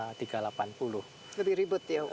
lebih ribet ya